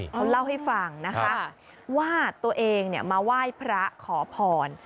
เขาเล่าให้ฟังนะคะว่าตัวเองมาไหว้พระขอพร